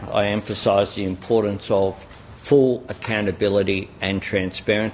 saya menguasai kepentingan penyelidikan dan transparan